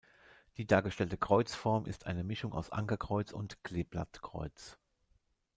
Die dargestellte Kreuzform ist eine Mischung aus Ankerkreuz und Kleeblattkreuz.